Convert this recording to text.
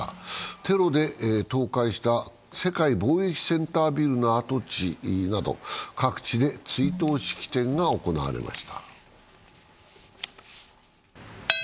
テロで倒壊した世界貿易センタービルの跡地など各地で追悼式典が行われました。